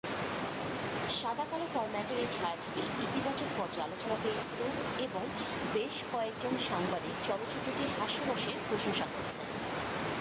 সাদা-কালো ফরম্যাটের এই ছায়াছবি ইতিবাচক পর্যালোচনা পেয়েছিল এবং বেশ কয়েকজন সাংবাদিক চলচ্চিত্রটির হাস্যরসের প্রশংসা করেছেন।